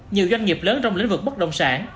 nhiều doanh nghiệp lớn trong lĩnh vực bất động sản